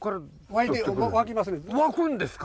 湧くんですか？